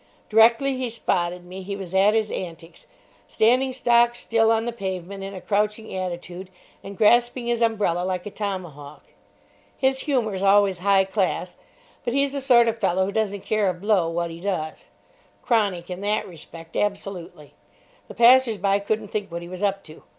Directly he spotted me he was at his antics, standing stock still on the pavement in a crouching attitude, and grasping his umbrella like a tomahawk. His humour's always high class, but he's the sort of fellow who doesn't care a blow what he does. Chronic in that respect, absolutely. The passers by couldn't think what he was up to.